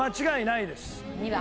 ２番。